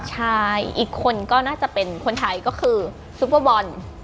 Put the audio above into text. ชายอีกคนก็น่าจะเป็นคนไทยก็คือซุปเปอร์บอล